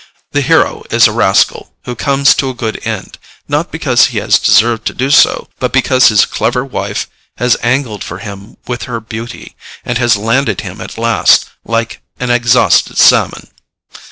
The hero is a rascal, who comes to a good end, not because he has deserved to do so, but because his clever wife has angled for him with her beauty, and has landed him at last, like an exhausted salmon.